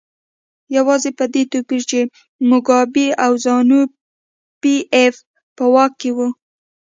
یوازې په دې توپیر چې موګابي او زانو پي ایف په واک کې وو.